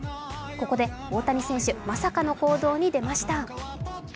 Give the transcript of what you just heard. ここで大谷選手、まさかの行動に出ました。